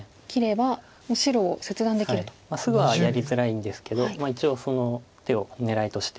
はいすぐはやりづらいんですけど一応その手を狙いとして。